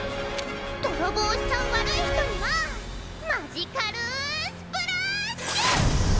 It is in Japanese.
ドロボウしちゃう悪い人にはマジカルゥスプラーッシュ！！